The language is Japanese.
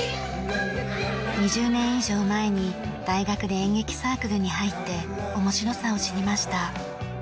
２０年以上前に大学で演劇サークルに入って面白さを知りました。